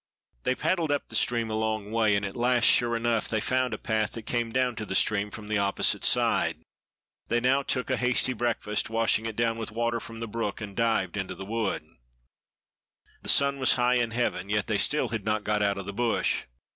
They paddled up the stream a long way, and at last, sure enough, they found a path that came down to the stream from the opposite side. They now took a hasty breakfast, washing it down with water from the brook, then dived into the wood. The sun, was high in heaven, yet still they had not got out of the bush.